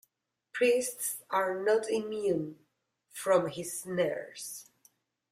Priests are not immune from his snares.